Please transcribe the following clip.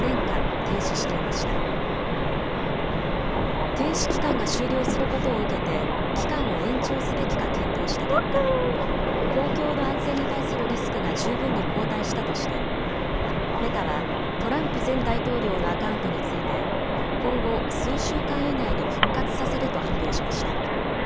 停止期間が終了することを受けて期間を延長すべきか検討した結果、公共の安全に対するリスクが十分に後退したとしてメタはトランプ前大統領のアカウントについて今後、数週間以内に復活させると発表しました。